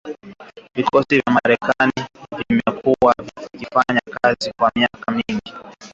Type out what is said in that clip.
Vikosi vya Marekani vimekuwa vikifanya kazi kwa miaka mingi na vikosi vya Somalia